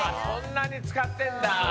そんなに使ってんだ。